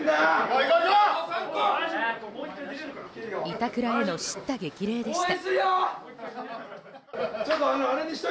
板倉への叱咤激励でした。